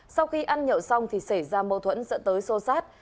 sau khi ăn nhậu xong thì xảy ra mâu thuẫn dẫn tới sô sát